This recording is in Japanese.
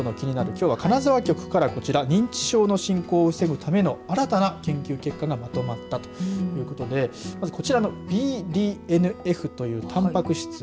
きょうは金沢局から認知症の進行を防ぐための新たな研究結果がまとまったということでまず、こちらのＢＤＮＦというたんぱく質。